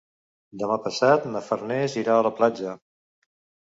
Demà passat na Farners irà a la platja.